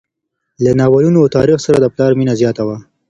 له ناولونو او تاریخ سره د پلار مینه زیاته وه.